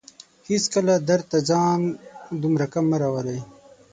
هيڅکله درد ته ځان دومره کم مه راولئ